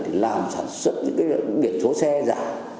thì làm sản xuất những cái biển số xe giả